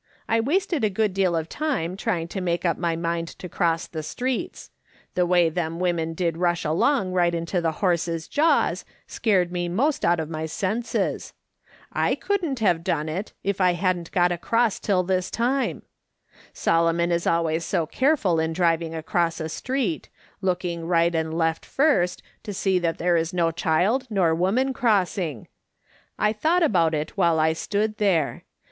I wasted a good deal of time trying to make up my mind to cross the streets. The way them women did rush along right into the horses' jaws, scared me 'most out of my senses. I couldn't have done it, if I hadn't got across till this time. Solon] on is always so careful in driving across a street — looking right and left first, to see that there is no child nor woman crossing. I thought about it while I stood there.